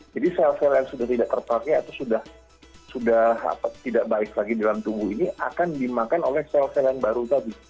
jadi sel sel yang sudah tidak terpakai atau sudah tidak baik lagi dalam tubuh ini akan dimakan oleh sel sel yang baru tadi